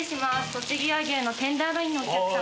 とちぎ和牛のテンダーロインのお客様。